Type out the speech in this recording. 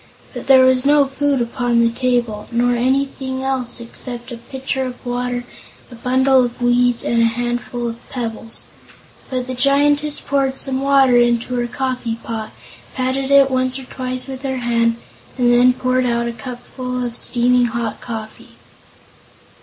But there was no food upon the table, nor anything else except a pitcher of water, a bundle of weeds and a handful of pebbles. But the Giantess poured some water into her coffee pot, patted it once or twice with her hand, and then poured out a cupful of steaming hot coffee.